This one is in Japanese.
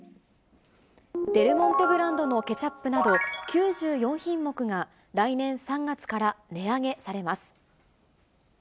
デルモンテブランドのケチャップなど、９４品目が、来年３月から値上げされます。